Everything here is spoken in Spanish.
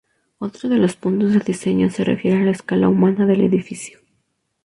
Otro de los puntos de diseño se refiere a la escala humana del edificio.